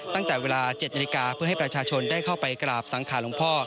ตั้งแต่เวลา๗นาฬิกาเพื่อให้ประชาชนได้เข้าไปกราบสังขารหลวงพ่อ